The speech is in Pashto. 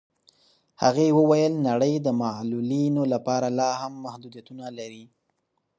هغې وویل نړۍ د معلولینو لپاره لاهم محدودیتونه لري.